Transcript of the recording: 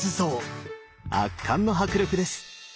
圧巻の迫力です！